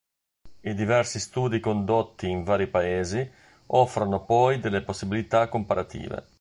I diversi studi condotti in vari paesi offrono poi delle possibilità comparative.